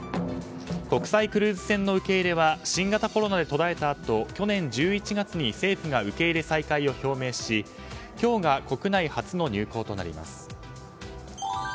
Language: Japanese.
国際クルーズ船の受け入れは新型コロナで途絶えたあと去年１１月に政府が受け入れ再開を表明し今日が国内初の入港となります。